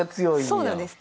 そうなんです。